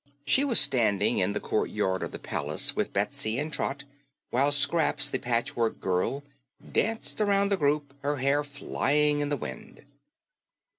She was standing in the courtyard of the palace with Betsy and Trot, while Scraps, the Patchwork Girl, danced around the group, her hair flying in the wind.